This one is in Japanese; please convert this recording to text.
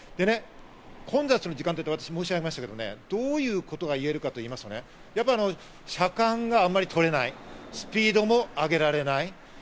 混雑の時間と私、申し上げましたけど、どういうことが言えるかと言いますと、車間があまり取れない、スピードもあげられない。